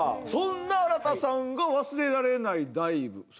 そんな荒田さんが忘れられないダイブ